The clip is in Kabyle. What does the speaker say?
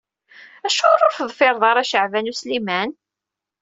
Acuɣer ur teḍfireḍ ara Caɛban U Sliman?